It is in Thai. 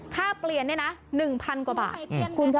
ค่าเปลี่ยน๑๐๐๐กว่าบาท